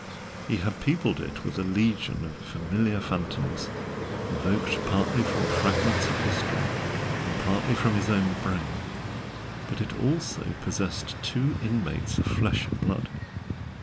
He had peopled it with a legion of familiar phantoms, evoked partly from fragments of history and partly from his own brain, but it also boasted two inmates of flesh and blood.